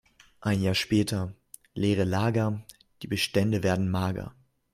Ein Jahr später: Leere Lager, die Bestände werden mager.